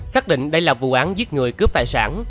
xác định đây là vụ án giết người cướp tài sản